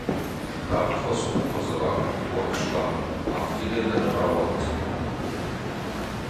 Тагъд фӕцу ӕмӕ дзы ракур хор ӕфстау, афтидӕй дӕ нӕ рауадздзӕн.